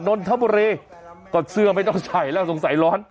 นนทบุรีก็เสื้อไม่ต้องใส่แล้วสงสัยร้อน